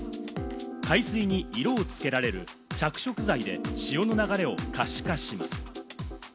海水に色を付けられる着色剤で、潮の流れを可視化します。